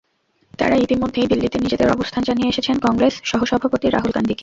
তাঁরা ইতিমধ্যেই দিল্লিতে নিজেদের অবস্থান জানিয়ে এসেছেন কংগ্রেস সহসভাপতি রাহুল গান্ধীকে।